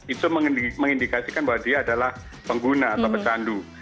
itu mengindikasikan bahwa dia adalah pengguna atau pecandu